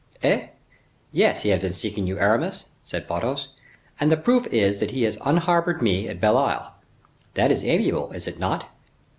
"Eh! yes, he has been seeking you, Aramis," said Porthos, "and the proof is that he has unharbored me at Belle Isle. That is amiable, is it not?"